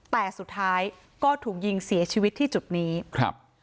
แต่สุดท้ายก็ถูกยิงเสียชีวิตที่จุดนี้ครับ